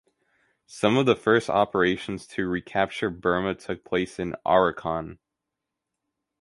Some of the first operations to recapture Burma took place in Arakan.